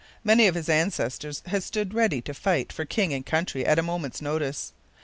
Many of his ancestors had stood ready to fight for king and country at a moment's notice.